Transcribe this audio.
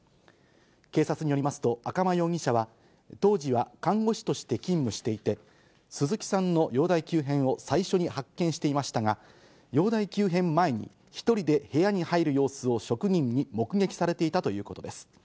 警察によりますと、赤間容疑者は、当時は看護師として勤務していて、鈴木さんの容体急変を最初に発見していましたが、容体急変前に、１人で部屋に入る様子を職員に目撃されていたということです。